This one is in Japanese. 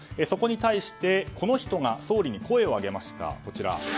そこに対してこの人が総理に声を上げました。